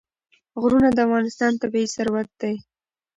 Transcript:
غرونه د افغانستان طبعي ثروت دی.